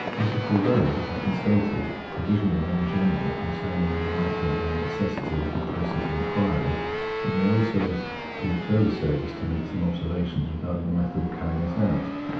As the foregoing has been stated, provisionally and in general, concerning the manner and the necessity of the process of the inquiry, it may also be of further service to make some observations regarding the method of carrying this out.